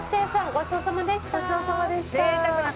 ごちそうさまでした。